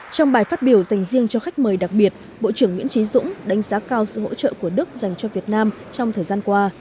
trong bài phát biểu dành riêng cho khách mời đặc biệt bộ trưởng nguyễn trí dũng đánh giá cao sự hỗ trợ của đức dành cho việt nam trong thời gian qua